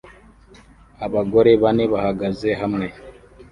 Abagore bane bahagaze hamwe